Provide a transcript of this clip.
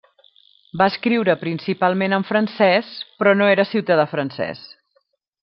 Va escriure principalment en francès, però no era ciutadà francès.